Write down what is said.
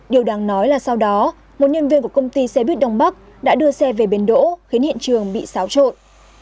điều đáng nói là sau đó một nhân viên của công ty xe buýt đông bắc đã đưa xe về bến đỗ khiến hiện trường bị xáo trộn